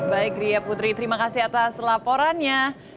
baik ria putri terima kasih atas laporannya